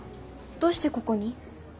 どうしてここに？